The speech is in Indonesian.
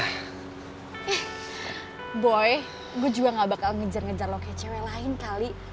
eh boy gue juga gak bakal ngejar ngejar loket cewek lain kali